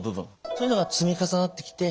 そういうのが積み重なってきて。